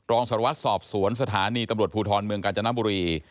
รองสารวัตรสอบสวนสถานีตำรวจภูทรเมืองกาญจนบุรี